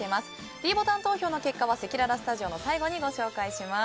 ｄボタン投票の結果はせきららスタジオの最後にご紹介します。